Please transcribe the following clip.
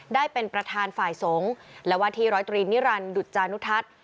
ได้เป็นประธานฝ่ายสงฆ์และว่าที่ร้อยตรีนิรันดิดุจานุทัศน์